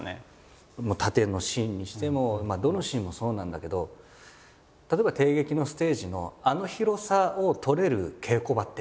殺陣のシーンにしてもどのシーンもそうなんだけど例えば帝劇のステージのあの広さを取れる稽古場ってない。